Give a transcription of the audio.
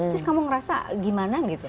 terus kamu ngerasa gimana gitu